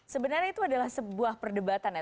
sebenarnya itu adalah sebuah perdebatan ya